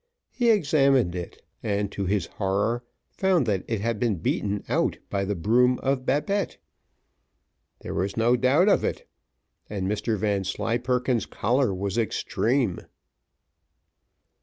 He examined it, and, to his horror, found that it had been beaten out by the broom of Babette. There was no doubt of it, and Mr Vanslyperken's choler was extreme.